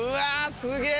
すげえ！